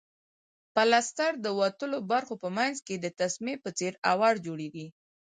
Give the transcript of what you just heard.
پلستر د وتلو برخو په منځ کې د تسمې په څېر اوار جوړیږي.